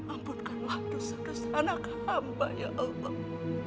ampunkanlah dosa dosa anak hamba ya allah